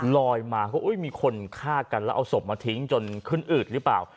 ลอยมาก็มีคนฆ่ากันแล้วเอาศพมาทิ้งจนขึ้นอืดหรือเปล่า